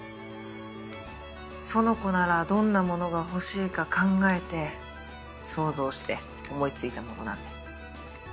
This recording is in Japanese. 苑子ならどんなものが欲しいか考えて想像して思い付いたものなんで。